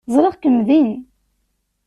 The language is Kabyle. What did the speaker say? Ẓriɣ-kem din.